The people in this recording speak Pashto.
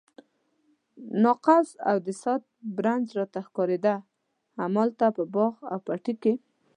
ناقوس او د ساعت برج راته ښکارېده، همالته په باغ او پټي کې.